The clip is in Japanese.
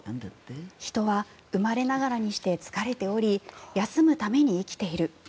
人は生まれながらにして疲れており休むために生きている。